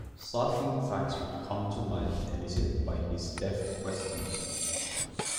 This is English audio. Startling facts would come to light elicited by his deft questions.